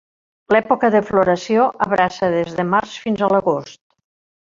L'època de floració abraça des de març fins a l'agost.